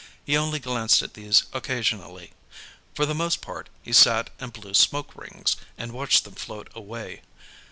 He only glanced at these occasionally; for the most part, he sat and blew smoke rings, and watched them float away.